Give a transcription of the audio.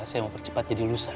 saya mau percepat jadi lusa